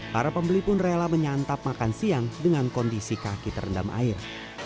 para pembeli pun rela menyantap makan siang dengan kondisi kaki terendam air